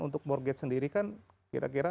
untuk morgait sendiri kan kira kira